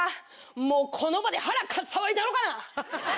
もうこの場で腹かっさばいたろかな！